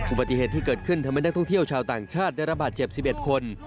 อุบัติเหตุที่เกิดขึ้นทำให้นักท่องเที่ยวชาวต่างชาติได้รับบาดเจ็บ๑๑คน